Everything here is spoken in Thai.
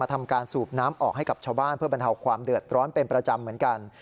ทำการสูบน้ำออกให้กับชาวบ้านเพื่อบรรเทาความเดือดร้อนเป็นประจำเหมือนกัน